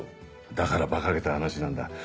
だからバカげた話なんだ。